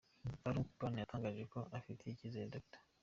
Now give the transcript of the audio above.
Varun Gupta yatangaje ko afitiye icyizere Dr.